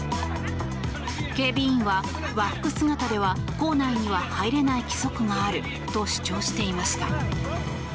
警備員は和服姿では校内には入れない規則があると主張していました。